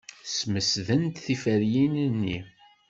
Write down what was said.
Smesdent tiferyin-nni.